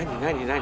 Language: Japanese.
何？